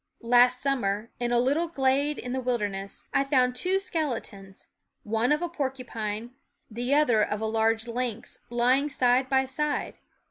Last summer, in a little glade in the wilderness, I found two skeletons, one of a porcupine, the other of a large lynx, lying side by side.